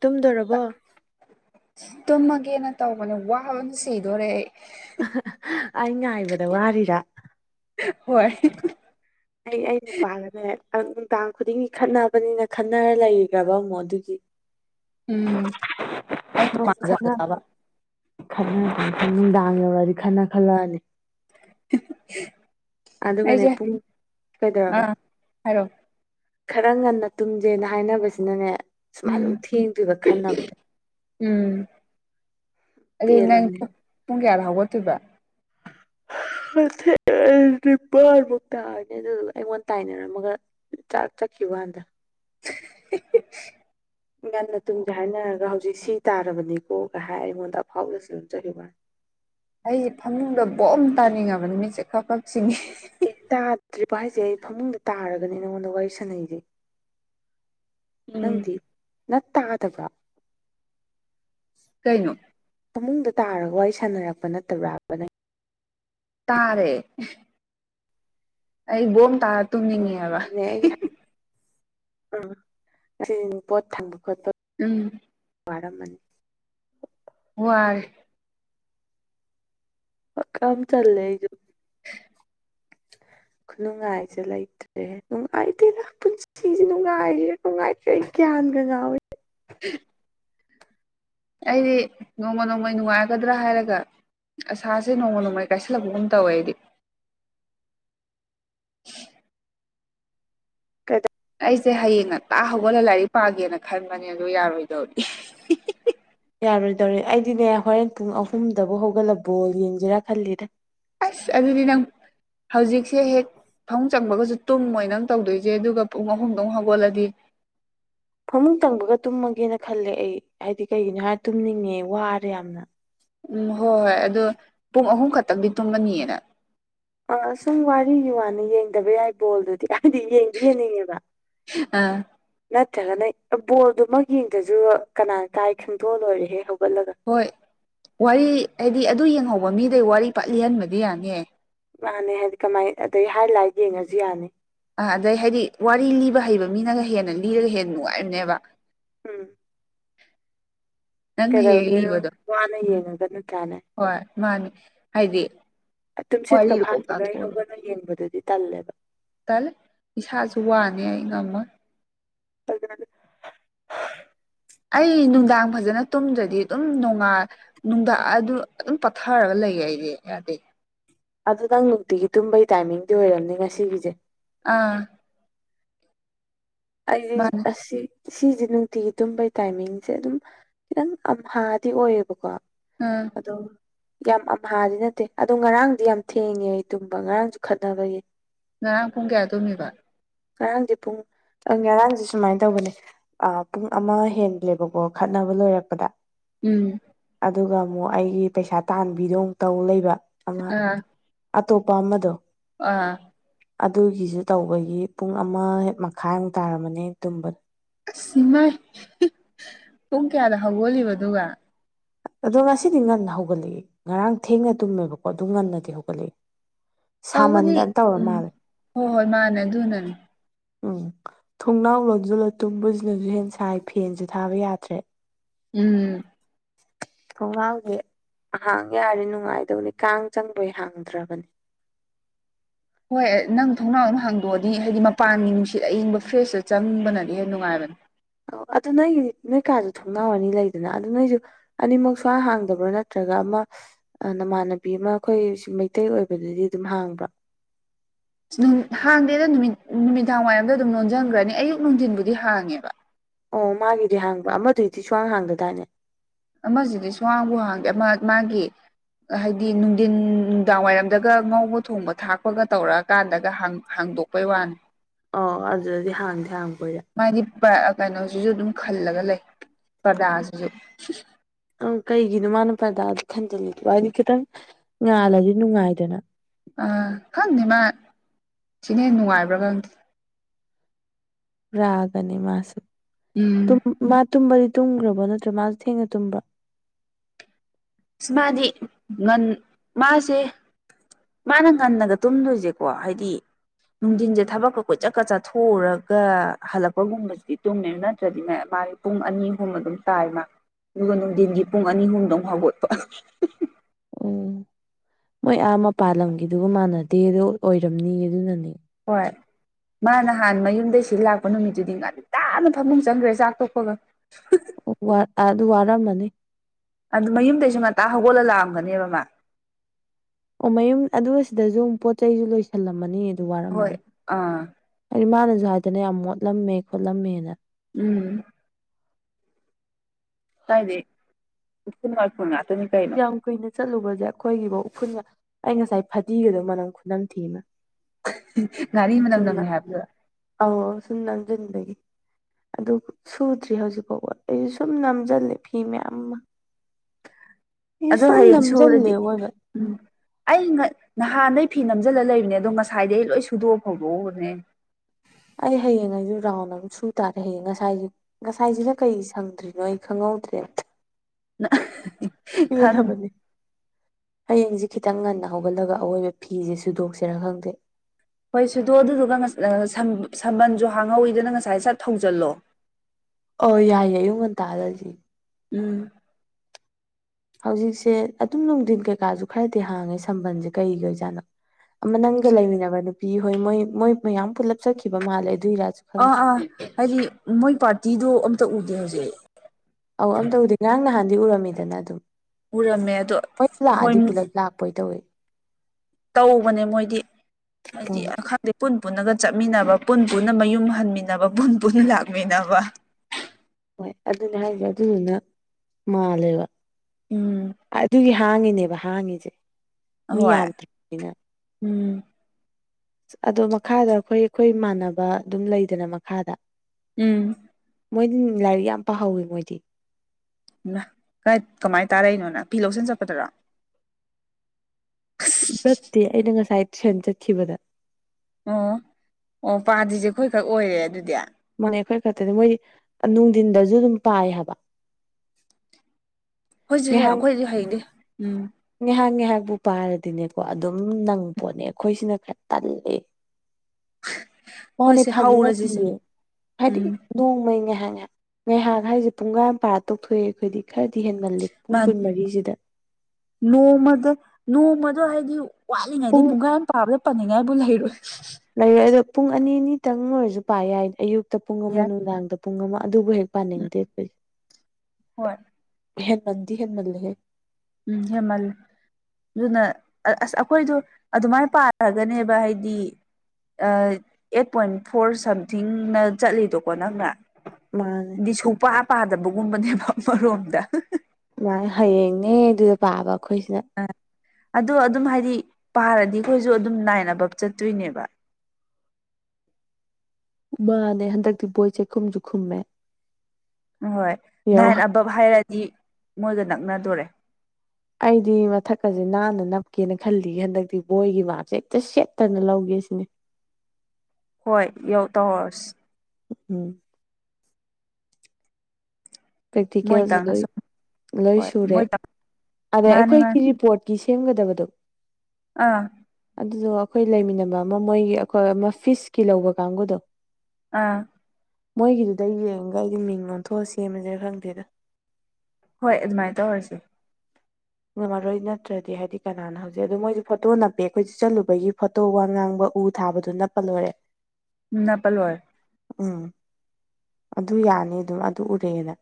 ꯇꯨꯝꯗꯣꯔꯕꯣ ꯇꯨꯝꯃꯒꯦꯅ ꯇꯧꯕꯅꯦ ꯋꯥꯕꯅ ꯁꯤꯗꯣꯔꯦ ꯑꯩ ꯑꯩ ꯉꯥꯏꯕꯗ ꯋꯥꯔꯤꯔꯥ ꯍꯣꯏ ꯑꯩ ꯑꯩ ꯅꯨꯄꯥꯒꯅꯦ ꯑꯪ ꯅꯨꯡꯗꯥꯡ ꯈꯨꯗꯤꯡꯒꯤ ꯈꯠꯅꯕꯅꯤꯅ ꯈꯠꯅꯔ ꯂꯩꯒ꯭ꯔꯕ ꯑꯃꯨꯛ ꯑꯗꯨꯒꯤ [inaudible] ꯑꯩꯅ ꯍꯧꯖꯤꯛ ꯄꯥꯝꯖꯕ ꯈꯠꯅꯗꯨꯏ ꯈꯠꯅꯗꯔꯗꯤ ꯅꯨꯡꯗꯥꯡ ꯌꯧꯔꯛꯑꯗꯤ ꯈꯠꯅ ꯈꯜꯂꯛꯑꯅꯤ [inaudible] ꯑꯗꯨꯒꯅꯦ ꯑꯩꯁꯦ ꯄꯨꯡ ꯀꯩꯗꯧꯔꯕ ꯑꯥ ꯍꯥꯏꯔꯣ ꯈꯔ ꯉꯟꯅ ꯇꯨꯝꯖꯦꯅ ꯍꯥꯏꯅꯕꯁꯤꯅꯅꯦ ꯁꯨꯃꯥꯏ ꯎꯝ ꯑꯗꯨꯝ ꯊꯦꯡꯗꯣꯏꯕ ꯈꯠꯅꯕꯗ ꯎꯝ꯫ ꯑꯗꯨ ꯅꯪ ꯄꯦꯜꯂꯝꯅꯦ ꯄꯨꯡ ꯄꯨꯡ ꯀꯌꯥꯗ ꯍꯧꯒꯠꯇꯣꯏꯕ ꯑꯩ ꯊꯦꯡꯉꯦ ꯅꯤꯏꯄꯥꯟ ꯃꯨꯛ ꯇꯥꯔꯅꯦ ꯑꯗꯨꯗꯨ ꯑꯩꯉꯣꯟꯗ ꯇꯥꯏꯅꯔꯝꯃꯒ ꯆꯥꯛ ꯆꯠꯈꯤ ꯋꯥꯟꯗ [inaudible] ꯉꯟꯅꯥ ꯇꯨꯡꯁꯦ ꯍꯥꯏꯅꯔꯒ ꯍꯧꯖꯤꯛ ꯁꯤ ꯇꯥꯔꯕꯅꯤꯀꯣꯒ ꯍꯥꯏ ꯑꯩꯉꯣꯟꯗ ꯑꯐꯥꯎꯒ ꯁꯥꯖꯤꯟ ꯆꯠꯈꯤ ꯋꯥꯟ ꯑꯩꯁꯦ ꯐꯃꯨꯡꯗ ꯕꯣꯝ ꯇꯥꯅꯤꯡꯉꯕꯅꯤ ꯃꯤꯠꯁꯦ ꯈꯞ ꯈꯞ ꯆꯤꯡꯉꯦ ꯇꯥꯗ꯭ꯔꯤꯕꫭ ꯍꯥꯏꯁꯦ ꯐꯃꯨꯡꯗ ꯇꯥꯔꯒꯅꯦ ꯅꯉꯣꯟꯗ ꯋꯥꯔꯤ ꯁꯥꯟꯅꯩꯁꯦ ꯎꯝ ꯅꯪꯗꯤ ꯅꯪꯇꯥꯗꯕꫭ ꯀꯩꯅꯣ ꯐꯃꯨꯡꯗ ꯇꯥꯔꯒ ꯋꯥꯔꯤ ꯁꯥꯟꯅꯔꯛꯄ ꯅꯠꯇꯕ꯭ꯔꯥꯕ ꯅꯪ ꯇꯥꯔꯦ ꯑꯩ ꯕꯣꯝ ꯇꯥ ꯎꯝ ꯑꯗꯨꯅꯦ ꯑꯩ ꯉꯁꯥꯏ ꯎꯝ ꯉꯁꯤ ꯄꯣꯠ ꯊꯥꯡꯕ ꯈꯣꯠꯄ ꯎꯝ꯫ ꯋꯥꯔꯝꯃꯅꯤ ꯋꯥꯔꯦ ꯍꯀꯥꯝ ꯆꯜꯂꯦ ꯑꯩꯁꯨ ꯈꯨꯅꯨꯡꯉꯥꯏꯁꯦ ꯂꯩ [unintelligible] ꯅꯨꯡꯉꯥꯏꯇꯦꯗ ꯄꯨꯟꯁꯤꯁꯦ ꯅꯨꯡꯉꯥꯏꯔꯤꯔ ꯅꯨꯡꯉꯥꯏꯇꯔꯤꯔ ꯑꯩ ꯒ꯭ꯌꯥꯟꯒ ꯉꯥꯎꯋꯦ [inaudible] ꯑꯩꯗꯤ ꯅꯣꯡꯃ ꯅꯣꯡꯃ ꯅꯨꯡꯉꯥꯏꯒꯗ꯭ꯔꯥ ꯍꯥꯏꯔꯒ ꯑꯁꯥꯁꯦ ꯅꯣꯡꯃ ꯅꯣꯡꯃꯩ ꯀꯥꯏꯁꯤꯜꯂꯛꯄꯒꯨꯝ ꯇꯧꯋꯦ ꯑꯩꯗꯤ ꯀꯩꯗꯧ ꯑꯩꯁꯦ ꯍꯌꯦꯡ ꯉꯟꯇꯥꯥ ꯍꯧꯒꯠꯂ ꯂꯥꯏꯔꯤꯛ ꯄꯥꯒꯦꯅ ꯈꯟꯕꯅꯦ ꯑꯗꯨ ꯌꯥꯔꯣꯏꯗꯧꯅꯤ ꯌꯥꯔꯣꯏꯗꯧꯔꯦ ꯑꯩꯗꯤꯅꯦ ꯍꯣꯔꯦꯟ ꯄꯨꯡ ꯑꯍꯨꯝꯗꯕꯨ ꯍꯧꯒꯠꯂ ꯕꯣꯜ ꯌꯦꯡꯁꯤꯔꯥ ꯈꯜꯂꯤꯗ ꯑꯁ ꯑꯗꯨꯗꯤ ꯅꯪ ꯍꯧꯖꯤꯛꯁꯦ ꯍꯦꯛ ꯐꯃꯨꯡ ꯆꯪꯕꯒꯁꯨ ꯇꯨꯝꯕꯣꯏ ꯅꯪ ꯇꯧꯗꯣꯏꯁꯦ ꯑꯗꯨꯒ ꯄꯨꯡ ꯑꯍꯨꯝꯗꯧ ꯍꯧꯒꯠꯂꯗꯤ ꯐꯃꯨꯡ ꯆꯪꯕꯒ ꯇꯨꯝꯃꯒꯦꯅ ꯈꯜꯂꯦ ꯑꯩ ꯍꯥꯏꯗꯤ ꯀꯩꯒꯤꯅꯣ ꯍꯥꯏꯔ ꯇꯨꯝꯅꯤꯡꯉꯦ ꯋꯥꯔꯦ ꯌꯥꯝꯅ ꯎꯝ ꯍꯣꯏ ꯍꯣꯏ ꯑꯗꯨꯣ ꯄꯨꯡ ꯑꯍꯨꯝ ꯈꯛꯇꯪꯗꯤ ꯇꯨꯝꯃꯅꯤꯌꯦ ꯅꯪ ꯑꯥ ꯁꯨꯝ ꯋꯥꯔꯤꯒꯤ ꯋꯥꯅꯤ ꯌꯦꯡꯗꯕ ꯌꯥꯏ ꯕꯣꯜꯗꯨꯗꯤ ꯗꯤ ꯌꯦꯟꯗꯤ ꯌꯦꯟꯅꯤꯡꯉꯦꯕ ꯑꯥ ꯅꯠꯇ꯭ꯔꯒꯅ ꯕꯣꯜꯗꯨꯃꯛ ꯌꯦꯡꯗ꯭ꯔꯁꯨ ꯀꯅꯥ ꯀꯥꯏ ꯈꯪꯗꯣꯛꯑꯣ ꯂꯣꯏꯔꯦꯍꯦ ꯍꯧꯒꯠꯂꯒ ꯍꯣꯏ ꯋꯥꯔꯤ ꯍꯥꯏꯗꯤ ꯑꯗꯨ ꯌꯦꯡꯍꯧꯕ ꯃꯤꯗꯩ ꯋꯥꯔꯤ ꯄꯠꯂꯤꯍꯟꯕꯗꯤ ꯌꯥꯅꯤꯌꯦ ꯃꯥꯅꯦ ꯍꯥꯏꯗꯤ ꯀꯃꯥꯏ ꯑꯗꯩ ꯍꯥꯏ ꯂꯥꯏꯠ ꯌꯦꯡꯉꯁꯨ ꯌꯥꯅꯤ ꯑ ꯑꯗꯩ ꯍꯥꯏꯗꯤ ꯋꯥꯔꯤ ꯂꯤꯕ ꯍꯩꯕ ꯃꯤꯅꯒ ꯍꯦꯟꯅ ꯂꯤꯔꯒ ꯍꯦꯟꯅ ꯅꯨꯡꯉꯥꯏꯕꯅꯦꯕ ꯎꯝ [inaudible] ꯀꯩꯗꯧꯗꯣꯏꯅꯣ ꯂꯤꯕꯗꯣ ꯋꯥꯅ ꯎꯝ ꯌꯦꯡꯉꯒꯅ ꯅꯥꯠꯇ꯭ꯔꯅꯦ ꯍꯣꯏ ꯃꯥꯟꯅꯤ ꯍꯥꯏꯗꯤ ꯇꯨꯝꯁꯤꯠꯀ ꯋꯥꯔꯤꯗꯨ ꯀꯣꯛ ꯐꯥꯗ꯭ꯔꯒ ꯑꯩ ꯇꯥꯊꯣꯛꯎꯂꯣ ꯍꯧꯒꯠꯂ ꯌꯦꯡꯕꯗꯨꯗꯤ ꯇꯜꯂꯦꯕ ꯇꯜꯂꯤ ꯏꯁꯥꯁꯨ ꯋꯥꯅꯦ ꯑꯩ ꯉꯝꯃꯣꯏ ꯊꯗ [unintelligible] ꯑꯩ ꯅꯨꯡꯗꯥꯡ ꯐꯖꯅ ꯇꯨꯝꯗ꯭ꯔꯗꯤ ꯑꯗꯨꯝ ꯅꯣꯡꯉꯥ ꯅꯨꯡꯗꯥꯡ ꯑꯗꯨ ꯑꯗꯨꯝ ꯄꯠꯊꯔꯒ ꯂꯩ ꯑꯩꯗꯤ ꯌꯥꯗꯦ ꯑꯗꯨ ꯅꯪ ꯅꯨꯡꯇꯤꯒꯤ ꯇꯨꯝꯕꯩ ꯇꯥꯏꯃꯤꯡꯗꯤ ꯑꯣꯏꯔꯝꯅꯤ ꯉꯁꯤꯒꯤꯁꯦ ꯑꯥ ꯑꯩꯗꯤ ꯃꯥꯅꯦ ꯑꯁꯤ ꯁꯤꯁꯦ ꯅꯨꯡꯇꯤꯒꯤ ꯇꯨꯝꯕꯩ ꯇꯥꯏꯃꯤꯡꯁꯦ ꯑꯗꯨꯝ ꯈꯤꯇꯪ ꯑꯝ ꯍꯥꯥꯗꯤ ꯑꯣꯏꯌꯦꯕꯀꯣ ꯎꯝ ꯑꯗꯨꯝ ꯌꯥꯝ ꯑꯝꯍꯥꯗꯤ ꯅꯠꯇꯦ ꯑꯗꯣ ꯉꯔꯥꯡꯗꯤ ꯌꯥꯝ ꯊꯦꯡꯉꯦ ꯑꯩ ꯇꯨꯝꯕ ꯉꯔꯥꯡꯁꯨ ꯈꯠꯅꯕꯒꯤ ꯉꯔꯥꯡ ꯄꯨꯡ ꯀꯌꯥ ꯇꯨꯝꯃꯤꯕ ꯉꯔꯥꯡꯗꯤ ꯄꯨꯡ ꯑꯪ ꯉꯔꯥꯡꯁꯦ ꯁꯨꯃꯥꯏ ꯇꯧꯕꯅꯦ ꯑꯥ ꯄꯨꯡ ꯑꯃ ꯍꯦꯟꯂꯦꯕꯀꯣ ꯈꯠꯅꯕ ꯂꯣꯏꯔꯛꯄꯗ ꯎꯨꯝ ꯑꯗꯨꯒ ꯑꯃꯨꯛ ꯑꯩꯒꯤ ꯄꯩꯁꯥ ꯇꯥꯟꯕꯤꯗꯣ ꯑꯃꯨꯛ ꯇꯧ ꯂꯩꯕ ꯑꯃ ꯑꯇꯣꯞꯄ ꯑꯃꯗꯣ ꯑ ꯑꯗꯨꯒꯤꯁꯨ ꯇꯧꯕꯒꯤ ꯄꯨꯡ ꯑꯃ ꯍꯦꯛ ꯃꯈꯥꯏꯃꯨꯛ ꯇꯥꯔꯝꯃꯅꯤ ꯑꯩ ꯇꯨꯝꯕ ꯑꯁ ꯢꯃꯥꯏ ꯄꯨꯡ ꯀꯌꯥꯗ ꯍꯧꯒꯠꯂꯤꯕ ꯑꯗꯨꯒ ꯑꯗꯣ ꯉꯁꯤꯗꯤ ꯉꯟꯅ ꯍꯧꯒꯠꯂꯛꯑꯦ ꯉꯔꯥꯡ ꯊꯦꯡꯅ ꯇꯨꯝꯃꯦꯕꯀꯣ ꯑꯗꯨ ꯉꯟꯅꯗꯤ ꯍꯧꯒꯠꯂꯛꯑꯦ ꯇꯧꯕꯗꯤ ꯎꯝ ꯍꯣ- ꯍꯣꯏ ꯃꯥꯅꯦ ꯑꯗꯨꯅꯅꯤ ꯎꯡ ꯊꯣꯡꯅꯥꯎ ꯂꯣꯟꯖꯜꯂ ꯇꯨꯝꯕꯖꯤꯅꯖꯨ ꯍꯦꯟ ꯁꯥꯏ ꯐꯦꯟꯖꯨ ꯊꯥꯕ ꯌꯥꯗ꯭ꯔꯦ ꯎꯝ ꯊꯣꯡꯅꯥꯎꯖꯦ ꯍꯥꯡ ꯌꯥꯔ ꯅꯨꯡꯉꯥꯏꯗꯧꯅꯤ ꯀꯥꯡ ꯆꯪꯕꯩ ꯍꯥꯡꯗ꯭ꯔꯕꯅꯤ ꯍꯣꯏ ꯅꯪ ꯊꯣꯡꯅꯥꯎ ꯑꯗꯨꯝ ꯍꯥꯡꯗꯣꯛꯑꯗꯤ ꯍꯥꯏꯗꯤ ꯃꯄꯥꯟꯒꯤ ꯅꯨꯡꯁꯤꯠ ꯑꯏꯤꯡꯕ ꯐ꯭ꯔꯦꯁꯁꯦ ꯆꯪꯕꯅꯗꯤ ꯍꯦꯟ ꯅꯨꯡꯉꯥꯏꯕꯅꯤ ꯑꯗꯨ ꯅꯣꯏꯒꯤ ꯅꯣꯏ ꯀꯥꯖꯨ ꯊꯣꯡꯅꯥꯎ ꯑꯅꯤ ꯂꯩꯗꯅ ꯑꯗꯨ ꯅꯣꯏꯖꯨ ꯑꯅꯤꯃꯛ ꯁꯨꯍꯥ ꯍꯥꯡꯗꯕ꯭ꯔꯣ ꯅꯠꯇ꯭ꯔꯒ ꯑꯃ ꯑ ꯅꯃꯥꯟꯅꯕꯤ ꯑꯃ ꯑꯈꯣꯏ ꯁꯤ ꯃꯩꯇꯩ ꯑꯣꯏꯕꯗꯨꯗꯤ ꯑꯗꯨꯝ ꯍꯥꯡꯕ꯭ꯔꯣ ꯅꯨꯡ ꯍꯥꯡꯗꯦꯗ ꯅꯨꯃꯤꯠ ꯅꯨꯃꯤꯗꯥꯡ ꯋꯥꯏꯔꯝꯗ ꯑꯗꯨꯝ ꯂꯣꯟꯖꯟꯒ꯭ꯔꯅꯤ ꯑꯌꯨꯛ ꯅꯨꯡꯗꯤꯟꯕꯨꯗꯤ ꯍꯥꯡꯉꯦꯕ ꯑꯣ ꯃꯥꯒꯤꯗꯤ ꯍꯥꯡꯕ ꯑꯃꯗꯨꯏꯗꯤ ꯁꯨꯍꯥꯡ ꯍꯥꯡꯗꯗꯥꯏꯅꯦ ꯑꯃꯖꯤꯗꯤ ꯁꯨꯍꯥꯡꯕꯨ ꯍꯥꯡꯗꯦ ꯑꯃ ꯃꯥꯒꯤ ꯍꯥꯏꯗꯤ ꯅꯨꯡꯗꯤꯟ ꯅꯨꯡꯗꯥꯡꯋꯥꯏꯔꯝꯗꯒ ꯉꯧꯕ ꯊꯣꯡꯕ ꯊꯥꯛꯄꯒ ꯇꯧꯔꯛꯑꯀꯥꯟꯗꯒ ꯍꯥꯡ ꯍꯥꯡꯗꯣꯛ ꯄꯩ ꯋꯥꯅꯤ ꯑꯣ ꯑꯗꯨꯗꯗꯤ ꯍꯥꯡꯗꯤ ꯍꯥꯡꯕꯣꯏꯔꯦ ꯃꯥꯗꯤ ꯄꯥ ꯑ ꯀꯩꯅꯣꯁꯤꯁꯨ ꯑꯗꯨꯝ ꯈꯜꯂꯒ ꯂꯩ ꯄ꯭ꯔꯗꯥꯁꯤꯁꯨ ꯑꯪ ꯀꯩꯒꯤꯅꯣ ꯃꯥꯅ ꯄ꯭ꯔꯗꯥꯗꯨ ꯈꯟꯖꯤꯜꯂꯤꯗꯨ ꯍꯥꯏꯗꯤ ꯈꯤꯇꯪ ꯉꯥꯜꯂꯗꯤ ꯅꯨꯡꯉꯥꯏꯗꯅ ꯑ ꯈꯪꯗꯦ ꯃꯥ ꯁꯤꯅ ꯍꯦꯟ ꯅꯨꯡꯉꯥꯏꯕ꯭ꯔꯥ ꯈꯪꯗꯦ ꯔꯥꯒꯅꯦ ꯃꯥꯁꯨ ꯇꯨꯝ ꯎꯝ ꯃꯥ ꯇꯨꯝꯕꯗꯤ ꯇꯨꯝꯒ꯭ꯔꯥꯕꯣ ꯅꯠꯇ꯭ꯔ ꯃꯥꯁꯨ ꯊꯦꯡꯅ ꯇꯨꯝꯕ꯭ꯔꯣ ꯏꯁ ꯃꯥꯗꯤ ꯉꯟ ꯃꯥꯁꯦ ꯃꯥꯅ ꯉꯟꯅꯒ ꯇꯨꯝꯗꯣꯏꯖꯦꯀꯣ ꯍꯥꯏꯗꯤ ꯅꯨꯡꯗꯤꯟꯖꯦ ꯊꯕꯛꯀ ꯀꯣꯏꯆꯠꯀ ꯆꯠꯊꯣꯛꯎꯔꯒ ꯍꯜꯂꯛꯄꯒꯨꯝꯕꯖꯤꯗꯤ ꯇꯨꯝꯃꯦ ꯅꯠꯇ꯭ꯔꯗꯤꯅꯦ ꯃꯥ ꯄꯨꯡ ꯑꯅꯤ ꯑꯍꯨꯝ ꯑꯗꯨꯝ ꯇꯥꯏ ꯃꯥ ꯑꯗꯨꯒ ꯅꯨꯡꯗꯤꯟꯒꯤ ꯄꯨꯡ ꯑꯅꯤ ꯑꯍꯨꯝꯗꯃꯨꯛ ꯍꯧꯒꯠ [unintelligible] ꯎꯝ ꯃꯣꯏ ꯑꯥ ꯃꯄꯥꯥꯟꯂꯝꯒꯤꯗꯨꯒ ꯃꯥꯟꯅꯗꯦꯗꯨ ꯑꯣꯏꯔꯝꯅꯤꯌꯦ ꯑꯗꯨꯅꯅꯦ ꯍꯣꯏ ꯃꯥ ꯅꯍꯥꯟ ꯃꯌꯨꯝꯗꯩ ꯁꯤ ꯂꯥꯛꯄ ꯅꯨꯃꯤꯠꯇꯨꯗꯤ ꯉꯟꯇꯥꯅ ꯐꯃꯨꯡ ꯆꯪꯒꯔꯦ ꯆꯥꯛ ꯇꯣꯛꯄꯒ [unintelligible] ꯑꯣ [unintelligible] ꯋꯥ ꯑ [unintelligible] ꯑꯗꯨ ꯋꯥꯔꯝꯃꯅꯤ ꯑꯗꯨ ꯃꯌꯨꯝꯗꯩꯁꯨ ꯉꯟꯇꯥ ꯍꯧꯒꯠꯂ ꯂꯥꯛꯑꯝꯒꯅꯤꯕ ꯃꯥ ꯑꯣ ꯃꯌꯨꯝ ꯑꯗꯨ ꯁꯤꯗꯖꯨ ꯄꯣꯠ ꯆꯩꯁꯨ ꯂꯣꯏꯁꯤꯜꯂꯝꯃꯅꯤ ꯑꯗꯨ ꯍꯣꯏ ꯋꯥꯔꯝꯃꯅꯤ ꯑꯥ ꯍꯥꯏꯗꯤ [unintelligible] ꯃꯥꯅꯁꯨ ꯍꯥꯏꯗꯅ ꯌꯥꯝ ꯃꯣꯠꯂꯝꯃꯦ ꯈꯣꯠꯂꯝꯃꯦꯅ ꯎꯝ ꯀꯥꯏꯗꯩ ꯎꯐꯨꯟ ꯋꯥꯏꯐꯨꯟ ꯉꯥꯇꯅꯤ ꯀꯩꯅꯣ ꯌꯥꯝ ꯀꯨꯏꯅ ꯆꯠꯂꯨꯕꯖꯦ ꯑꯈꯣꯏꯒꯤꯕꯧ ꯎꯐꯨꯟꯅ ꯑꯩ ꯉꯁꯥꯏ ꯐꯗꯤꯒꯗꯣ ꯃꯅꯝ ꯈꯨꯅꯝꯊꯤ‌ ꯑꯃ ꯉꯥꯔꯤ ꯃꯅꯝ ꯅꯝꯃꯦ ꯍꯥꯏꯕ [unintelligible] ꯑꯧ ꯁꯨꯝ ꯅꯝꯖꯤꯟꯕꯒꯤ ꯑꯗꯨꯕꯨ ꯁꯨꯗ꯭ꯔꯤ ꯍꯧꯖꯤꯛ ꯄꯧꯕ ꯑꯩꯖꯨ ꯁꯨꯝ ꯅꯝꯖꯜꯂꯦ ꯐꯤ ꯃꯌꯥꯝ ꯑꯃ ꯑꯩꯁꯨ ꯑꯗꯨ ꯁꯨꯝ ꯍꯌꯦꯡ ꯅꯝꯁꯤꯜꯂꯦ ꯁꯨꯔꯗꯤ ꯑꯩꯈꯣꯏꯅ ꯎꯝ ꯑꯩ ꯉꯛ ꯅꯍꯥꯟꯗꯩ ꯐꯤ ꯅꯝꯖꯜꯂ ꯂꯩꯕꯅꯦ ꯑꯗꯣ ꯉꯁꯥꯏꯗꯤ ꯂꯣꯏ ꯁꯨꯗꯣꯛꯑ ꯐꯧꯗꯣꯛ ꯎꯕꯅꯦ ꯑꯩꯟ ꯑꯩ ꯍꯌꯦꯡ ꯑꯩꯖꯨ ꯔꯥꯎꯟ ꯑꯃ ꯁꯨ ꯇꯥꯔꯦ ꯍꯌꯦꯡ ꯉꯁꯥꯏꯖꯦ ꯉꯁꯥꯏꯖꯤꯅ ꯀꯩꯒꯤ ꯁꯪꯗ꯭ꯔꯤꯅꯣ ꯑꯩ ꯈꯪꯍꯧꯗ꯭ꯔꯦ ꯈꯪ ꯄꯦꯜꯂꯕꯅꯤ ꯍꯌꯦꯡꯁꯦ ꯈꯤꯇꯪ ꯉꯟꯅ ꯍꯧꯒꯠꯂꯒ ꯑꯋꯣꯏꯕ ꯐꯤꯁꯦ ꯁꯨꯗꯣꯛꯁꯦꯔꯥ ꯈꯪꯗꯦ ꯍꯣꯏ ꯁꯨꯗꯣ ꯑꯗꯨꯗꯨꯒ ꯉ ꯁꯝ ꯁꯝꯕꯜꯁꯨ ꯍꯥꯡꯍꯧꯋꯤꯗꯅ ꯉꯁꯥꯏ ꯁꯠ ꯐꯧꯖꯜꯂꯣ ꯑꯣ ꯌꯥꯏꯌꯦ ꯑꯌꯨꯛ ꯉꯟꯇꯥꯗꯗꯤ ꯎꯝ ꯍꯧꯖꯤꯛꯁꯦ ꯑꯗꯨꯝ ꯅꯨꯡꯗꯤꯟ ꯀꯩꯀꯥꯁꯨ ꯈꯔꯗꯤ ꯍꯥꯡꯉꯦ ꯁꯝꯕꯟꯖꯦ ꯀꯩꯒꯤ ꯑꯣꯏꯖꯥꯠꯅꯣ ꯑꯃ ꯅꯪꯒ ꯂꯩꯃꯤꯟꯅꯕ ꯅꯨꯄꯤ ꯍꯣꯏ ꯃꯣꯏ ꯃꯣꯏ ꯃꯌꯥꯝ ꯄꯨꯂꯞ ꯆꯠꯈꯤꯕ ꯃꯥꯜꯂꯦ ꯑꯗꯨꯏꯔꯥꯁꯨ ꯑꯥ ꯈꯪꯗꯦ ꯑꯥ ꯍꯥꯏꯗꯤ ꯃꯣꯏ ꯄꯥꯔꯇꯤꯗꯨꯣ ꯑꯝꯇ ꯎꯗꯦ ꯍꯧꯖꯤꯛ ꯑꯧ ꯑꯝꯇ ꯎꯗꯦ ꯉꯔꯥꯡ ꯅꯍꯥꯟꯗꯤ ꯎꯔꯝꯃꯤꯗꯅ ꯑꯗꯨꯝ ꯎꯔꯝꯃꯦ ꯑꯗꯣ ꯃꯣꯏ ꯍꯣꯏ ꯂꯥꯛꯑꯗꯤ ꯄꯨꯂꯞ ꯂꯥꯛꯄꯣꯏ ꯇꯧꯏ ꯇꯧꯕꯅꯦ ꯃꯣꯏꯗꯤ ꯍꯥꯏꯗꯤ ꯎꯝ ꯑꯈꯪ ꯍꯥꯏꯗꯤ ꯄꯨꯟ ꯄꯨꯟꯅꯒ ꯆꯠꯃꯤꯟꯅꯕ ꯄꯨꯟ ꯄꯨꯟꯅ ꯃꯌꯨꯝ ꯍꯟꯃꯤꯟꯅꯕ ꯄꯨꯟ ꯄꯨꯟꯅ ꯂꯥꯛꯃꯤꯟꯅꯕ ꯍꯣꯏ ꯑꯗꯨꯅꯦ ꯍꯥꯏꯁꯦ ꯑꯗꯨꯗꯨꯅ ꯃꯥꯜꯂꯦꯕ ꯎꯝ ꯑꯗꯨꯒꯤ ꯍꯥꯡꯉꯤꯅꯦꯕ ꯍꯥꯡꯉꯤꯁꯦ ꯃꯤ ꯍꯣꯏ ꯌꯥꯝꯗ꯭ꯔꯤꯅꯤꯅ ꯎꯝ ꯑꯗꯣ ꯃꯈꯥꯗ ꯑꯩꯈꯣꯏ ꯑꯩꯈꯣꯏ ꯏꯃꯥꯟꯅꯕ ꯑꯗꯨꯝ ꯂꯩꯗꯅ ꯃꯈꯥꯗ ꯎꯝ ꯃꯣꯏꯗꯤ ꯂꯥꯏꯔꯤꯛ ꯌꯥꯝ ꯄꯥꯍꯧꯋꯤ ꯃꯣꯏꯗꯤ ꯏꯃꯥ ꯀꯥꯏ ꯀꯃꯥꯏꯅ ꯇꯥꯔꯛꯏꯅꯣ ꯅꯪ ꯐꯤ ꯂꯧꯁꯤꯟ ꯆꯠꯄꯗꯔꯣ ꯅꯠꯇꯦ ꯑꯩꯅ ꯉꯁꯥꯏ ꯇꯨꯏꯁꯟ ꯆꯠꯈꯤꯕꯗ ꯑꯣ ꯑꯣ ꯄꯥꯗ꯭ꯔꯤꯖꯦ ꯑꯩꯈꯣꯏꯈꯛ ꯑꯣꯏꯔꯦ ꯑꯗꯨꯗꯤ ꯃꯥꯅꯦ ꯑꯩꯈꯣꯏ ꯈꯛꯇꯅꯤ ꯃꯣꯏꯗꯤ ꯅꯨꯡꯗꯤꯟꯗꯖꯨ ꯑꯗꯨꯝ ꯄꯥꯏ ꯍꯥꯏꯕ ꯍꯣꯏꯖꯨꯍꯦ ꯉꯥꯏꯍꯥꯛ ꯑꯩꯈꯣꯏꯗꯤ ꯍꯌꯦꯡꯗꯤ ꯎꯝ ꯉꯥꯏꯍꯥꯛ ꯉꯥꯏꯍꯥꯛꯄꯨ ꯄꯥꯔꯗꯤꯅꯦꯀꯣ ꯑꯗꯨꯝ ꯅꯪ ꯄꯣꯠꯅꯦ ꯑꯩꯈꯣꯏꯁꯤꯅ ꯈꯔ ꯇꯟꯕꯩ ꯍ [unintelligible] ꯃꯥꯅꯦ ꯐꯒꯤ ꯅꯠꯇꯤꯌꯦ ꯍꯥꯏꯗꯤ ꯎꯝ ꯅꯣꯡꯃꯩ ꯉꯥꯏꯍꯥꯛ ꯉꯍꯥꯛ ꯉꯥꯏꯍꯥꯛ ꯍꯥꯏꯖꯦ ꯄꯨꯡ ꯒꯥꯏꯃꯥ ꯄꯥ ꯇꫭꯛꯊꯣꯛꯑꯦ ꯑꯩꯈꯣꯏꯗꯤ ꯈꯔꯗꯤ ꯍꯦꯟꯃꯜꯂꯦ ꯄꯨꯡ ꯃꯥ ꯀꯨꯟꯃꯔꯤꯖꯤꯗ ꯅꯣꯡꯃꯗ ꯅꯣꯡꯃꯗꯣ ꯍꯥꯏꯗꯤ ꯋꯥꯠꯂꯤꯉꯩꯗꯤ ꯄꯨꯡ ꯄꯨꯡꯈꯥꯏ ꯑꯃ ꯄꯥꯕꯗ ꯇꯝꯅꯤꯉꯥꯏꯕꯨ ꯂꯩꯔꯣꯏ ꯂꯩꯔꯦ ꯑꯗꯣ ꯄꯨꯡ ꯑꯅꯤ ꯑꯅꯤꯇꯪ ꯑꯣꯏꯔꯖꯨ ꯄꯥ ꯌꯥꯏ ꯑꯌꯨꯛꯇ ꯄꯨꯡ ꯑꯃ ꯌꯥꯏ ꯅꯨꯡꯗꯥꯡꯗ ꯄꯨꯡ ꯑꯃ ꯑꯗꯨꯕꯨ ꯍꯦꯛ ꯎꯝ ꯄꯥꯅꯤꯡꯗꯦ ꯑꯩꯈꯣꯏ ꯍꯣꯏ ꯍꯦꯟꯃꯟꯗꯤ ꯍꯦꯟꯃꯟꯂꯦꯍꯦ ꯎꯝ ꯍꯦꯟꯃꯟꯂꯦ ꯑꯗꯨꯅ ꯑꯁ ꯑꯩꯈꯣꯏꯗꯣ ꯑꯗꯨꯃꯥꯏꯅ ꯄꯥꯔꯒꯅꯦꯕ ꯍꯥꯏꯗꯤ ꯑꯥ ꯑꯦꯠ ꯄꯣꯏꯟ ꯐꯣꯔ ꯁꯝꯊꯤꯡꯅ ꯆꯠꯂꯤꯗꯣꯀꯣ ꯅꯪꯅ ꯃꯥꯅꯦ ꯗꯤ ꯁꯨꯄꯥ ꯄꯥꯗꯕꯒꯨꯝꯕꯅꯦꯕ ꯑꯃꯔꫭꯝꯗ ꯑꯗꯨꯃꯥꯏꯏꯅ ꯍꯌꯦꯡꯅꯦ ꯑꯗꯨꯗ ꯄꯥꯕ ꯑꯩꯈꯣꯏꯁꯤꯅ ꯑ ꯑꯗꯣ ꯑꯗꯨꯝ ꯍꯥꯏꯗꯤ ꯄꯥꯔꯗꯤ ꯑꯩꯈꯣꯏꯁꯨ ꯑꯗꯨꯝ ꯅꯥꯏꯅꯕ ꯆꯠꯇꯣꯏꯅꯦꯕ ꯃꯥꯅꯦ ꯍꯟꯗꯛꯇꯤ ꯕꯣꯏ ꯆꯦꯈꯨꯝꯁꯨ ꯈꯨꯝꯃꯦ ꯑꯍꯣꯏ ꯅꯥꯏꯟ ꯌꯦꯡꯉꯣ ꯑꯕꯞ ꯍꯥꯏꯔꯗꯤ ꯃꯣꯏꯒ ꯅꯛꯅꯗꯣꯔꯦ ꯑꯩꯗꯤ ꯃꯊꯛꯀꯖꯦ ꯅꯥꯟꯅ ꯅꯞꯀꯦꯅ ꯈꯜꯂꯤꯌꯦ ꯍꯟꯗꯛꯇꯤ ꯕꯣꯏꯒꯤ ꯃꯥꯔꯛꯁꯦ ꯍꯦꯛꯇ ꯁꯦꯠꯇꯅ ꯂꯧꯒꯦ ꯁꯤꯅꯤ ꯍꯣꯏ ꯌꯧ ꯇꯧꯔꯁꯤ ꯎꯝ ꯄ꯭ꯔꯦꯛꯇꯤꯀꯦꯜꯖꯨ ꯃꯣꯏꯇꯪꯅ ꯂꯣꯏ ꯁꯨꯝ ꯂꯣꯏ ꯍꯣꯏ ꯁꯨꯔꯦ ꯃꯣꯏꯇꯪ ꯑꯗꯩ ꯃꯥꯅꯤ ꯃꯥꯅꯤ ꯑꯩꯈꯣꯏꯒꯤ ꯔꯤꯄꯣꯔꯠ ꯀꯤ ꯁꯦꯝꯒꯗꯕꯗꯣ ꯑꯥ ꯑꯗꯨꯗꯣ ꯑꯩꯈꯣꯏ ꯂꯩꯃꯤꯟꯅꯕ ꯑꯃ ꯃꯣꯏꯒꯤ ꯑꯩꯈꯣꯏ ꯑꯃ ꯐꯤꯁꯀꯤ ꯂꯧꯕ ꯀꯥꯡꯉꯨꯗꯣ ꯑꯥ ꯃꯣꯏꯒꯤꯗꯨꯗ ꯌꯦꯡꯉꯒ ꯑꯩꯗꯤ ꯃꯤꯡ ꯑꯣꯟꯊꯣꯛꯑ ꯁꯦꯝꯃꯁꯤꯔ ꯈꯪꯗꯦꯗ ꯍꯣꯏ ꯑꯗꯨꯃꯥꯏ ꯇꯧꯔꯁꯤ ꯉꯝꯃꯔꯣꯏ ꯅꯠꯇ꯭ꯔꯗꯤ ꯍꯥꯏꯗꯤ ꯀꯅꯥꯅ ꯍꯧꯖꯤꯛ ꯑꯗꯣ ꯃꯣꯏꯗꯤ ꯐꯣꯇꯣ ꯅꯞꯄꯦ ꯑꯩꯈꯣꯏꯖꯨ ꯆꯠꯂꯨꯕꯒꯤ ꯐꯣꯇꯣ ꯋꯥ ꯉꯥꯡꯕ ꯎ ꯊꯥꯕꯗꯣ ꯅꯞꯄ ꯂꯣꯏꯔꯦ ꯅꯞꯄ ꯂꫭꯏꯔꯦ ꯎꯝ ꯑꯗꯨ ꯌꯥꯅꯤ ꯑꯗꯨꯝ ꯑꯗꯨ ꯎꯔꯛꯑꯦꯅ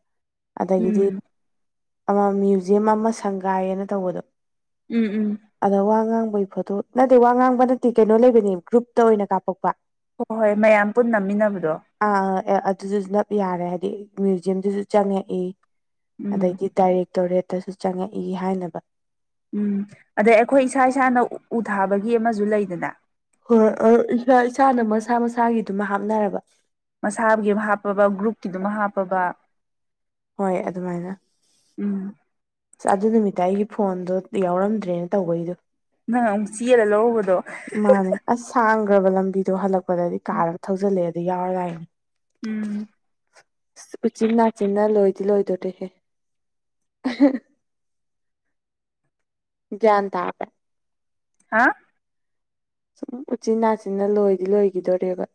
ꯑꯗꯒꯤꯗꯤ ꯎꯝ ꯑꯃ ꯃ꯭ꯌꯨꯖꯤꯌꯝ ꯑꯃ ꯁꯪꯒꯥꯏꯌꯦꯅ ꯇꯧꯕꯗꯣ ꯎꯝ ꯎꯝ ꯑꯗ ꯋꯥ ꯉꯥꯡꯕꯩ ꯐꯣꯇꯣ ꯅꯠꯇꯦ ꯋꯥ ꯉꯥꯡꯕ ꯅꯠꯇꯦ ꯀꯩꯅꯣ ꯂꯩꯕꯅꯦ ꯒ꯭ꯔꯨꯞꯇ ꯑꯣꯏꯅ ꯀꯥꯞꯄꯛꯄ ꯍꯣꯏ ꯍꯣꯏ ꯃꯌꯥꯝ ꯄꯨꯟꯅꯝꯃꯤꯟꯅꯕꯗꯣ ꯑꯥ ꯑꯦ ꯑꯗꯨꯖꯨ ꯅꯞ ꯌꯥꯔꯦ ꯍꯥꯏꯗꯤ ꯃ꯭ꯌꯨꯖꯤꯌꯝꯗꯖꯨ ꯆꯪꯉꯛꯏ ꯎꯝ ꯑꯗꯒꯤ ꯗꯥꯏꯔꯦꯛꯇꯣꯔꯦꯠꯇꯁꯨ ꯆꯪꯉꯛꯏ ꯍꯥꯏꯅꯕ ꯎꯝ ꯑꯗꯩ ꯑꯩꯈꯣꯏ ꯏꯁꯥ ꯏꯁꯥꯅ ꯎ ꯊꯥꯕꯒꯤ ꯑꯃꯖꯨ ꯂꯩꯗꯅꯥ ꯍꯣꯏ ꯍꯣꯏ ꯏꯁꯥꯅ ꯃꯁꯥ ꯃꯁꯥꯒꯤꯗꯨꯃ ꯍꯥꯞꯅꯔꯕ ꯃꯁꯥꯕꯨꯒꯤ ꯍꯥꯞꯄꯕ ꯒ꯭ꯔꯨꯞꯀꯤꯗꯨꯃ ꯍꯥꯞꯄꯕ ꯍꯣꯏ ꯑꯗꯨꯃꯥꯏꯅ ꯎꯝ ꯑꯁ ꯑꯗꯨ ꯅꯨꯃꯤꯠꯇ ꯑꯩꯒꯤ ꯐꯣꯟꯗꯣ ꯌꯥꯎꯔꯝꯗ꯭ꯔꯦꯅ ꯇꯧꯕꯩꯗꯣ ꯅꯪ ꯑꯃꯨꯛ ꯆꯦꯜꯂ ꯂꯧꯔꯨꯕꯗꯣ ꯃꯥꯅꯦ ꯑꯁ ꯁꯥꯡꯒ꯭ꯔꯕ ꯂꯝꯕꯤꯗꯣ ꯍꯜꯂꯛꯄꯗꯗꯤ ꯀꯥꯔ ꯑꯃ ꯊꯧꯖꯜꯂꯛꯑꯦ ꯑꯗ ꯌꯥꯎꯔ ꯂꯥꯛꯏꯅꯤ ꯎꯝ ꯑꯁ ꯎꯆꯤꯟ ꯅꯥꯆꯤꯟꯅ ꯂꯣꯏꯗꯤ ꯂꯣꯏꯗꯣꯔꯦꯍꯦ ꯒꯌ꯭ꯥꯟ ꯇꯥꯔꯕ ꯍꯥꯥ ꯎꯝ ꯎꯆꯤꯟ ꯅꯥꯆꯤꯟꯅ ꯂꯣꯏꯗꯤ ꯂꯣꯏꯒꯤꯗꯣꯔꯦꯕ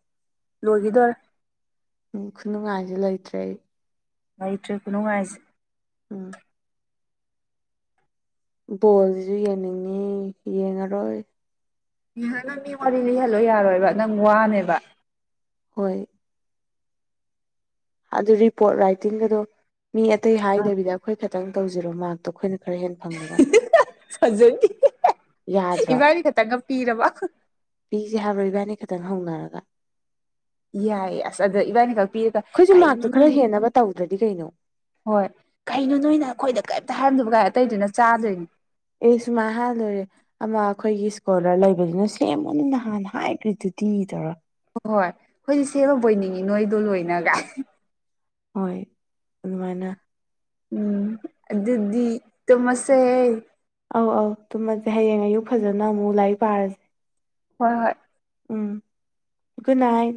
ꯂꯣꯏꯒꯤꯗꯣꯔꯦ ꯎꯝ ꯈꯨꯅꯨꯡꯉꯥꯏꯗꯤ ꯂꯩꯇ꯭ꯔꯦ ꯑꯩ ꯂꯩꯇꯔ꯭ꯦ ꯈꯨꯅꯨꯡꯉꯥꯏꯖꯤ ꯎꯝ ꯕꯣꯜꯖꯤ ꯌꯦꯡꯅꯤꯡꯉꯤ ꯌꯦꯡꯉꯔꯣꯏ ꯏꯍꯥꯟꯅꯪ ꯃꯤ ꯋꯥꯔꯤ ꯂꯤꯍꯜꯂꯣ ꯌꯥꯔꯣꯏꯕ ꯅꯪ ꯋꯥꯅꯦꯕ ꯍꯣꯏ ꯑꯗꯨ ꯔꯤꯄꯣꯔꯠ ꯔꯥꯏꯇꯤꯡꯒꯗꯣ ꯃꯤ ꯑꯇꯩ ꯍꯥꯏꯗꯕꯤꯗ ꯑꯩꯈꯣꯏ ꯈꯇꯪ ꯇꯧꯖꯤꯔꯣ ꯃꯥꯔꯛꯇꯣ ꯑꯩꯈꯣꯏꯅ ꯈꯔ ꯍꯦꯟ ꯐꯖꯩ ꯏꯕꯥꯅꯤ ꯈꯇꯪꯒ ꯄꯤꯔꯕ ꯄꯤꯖꯦ ꯍꯥꯏꯕ꯭ꯔ ꯏꯕꯥꯅꯤ ꯈꯇꯪ ꯍꯧꯅꯔꯒ ꯌꯥꯏꯌꯦ ꯑꯁ ꯑꯗ ꯏꯕꯥꯅꯤꯈꯛ ꯄꯤꯗ ꯑꯩꯈꯣꯏꯖꯨ ꯃꯥꯔꯛꯇꯣ ꯈꯔ ꯍꯦꯟꯅꯕ ꯇꯧꯗ꯭ꯔꯗꯤ ꯀꯩꯅꯣ ꯍꯣꯏ ꯀꯩꯅꯣ ꯅꯣꯏꯅ ꯑꯩꯈꯣꯏꯗ ꯀꯩꯝꯇ ꯍꯥꯏꯔꯝꯗꯕ ꯒꯥꯏ ꯑꯇꯩꯗꯨꯅ ꯆꯥꯗꯣꯏꯅꯤ ꯑꯩ ꯁꯨꯃꯥꯏ ꯍꯥꯏꯔ ꯂꯣꯏꯔꯦ ꯑꯃ ꯑꯩꯈꯣꯏꯒꯤ ꯏꯁ꯭ꯀꯣꯂꯔ ꯂꯩꯕꯗꯨꯅ ꯁꯦꯝꯕꯅꯤ ꯅꯍꯥꯟ ꯍꯥꯏꯒ꯭ꯔꯗꯨꯗꯤ ꯇꯧꯔ ꯍꯣꯏ ꯍꯣꯏ ꯑꯩꯈꯣꯏꯗꯤ ꯁꯦꯝꯃꯕꯣꯏ ꯅꯤꯡꯉꯤ ꯅꯣꯏꯗꯣ ꯂꯣꯏꯅ ꯒꯥꯏ ꯍꯣꯏ ꯑꯗꯨꯃꯥꯏꯅ ꯎꯝ ꯑꯗꯨꯗꯤ ꯇꯨꯝꯃꯁꯦ ꯑꯧ ꯑꯧ ꯇꯨꯝꯃꯖꯦ ꯍꯌꯦꯡ ꯑꯌꯨꯛ ꯐꯖꯅ ꯑꯃꯨꯛ ꯂꯥꯏꯔꯤꯛ ꯄꯥꯔꯖꯤ ꯍꯣꯏ ꯍꯣꯏ ꯎꯝ ꯒꯨꯗ ꯅꯥꯏꯠ